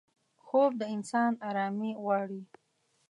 خوب د انسان آرامي غواړي